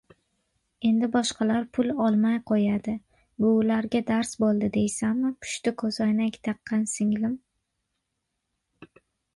Endi boshqalar pul olmay qoʻyadi, bu ularga dars boʻldi deysanmi pushti koʻzoynak taqqan singlim?